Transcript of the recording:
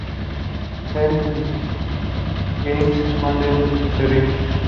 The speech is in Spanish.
Él y James esconden y se ríen.